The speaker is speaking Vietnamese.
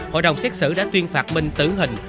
hội đồng xét xử đã tuyên phạt minh tử hình